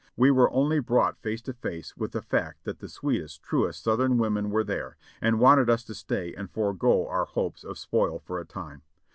We were only brought face to face with the fact that the sweetest, truest South ern women were there, and wanted us to stay and forego our hopes of spoil for a time.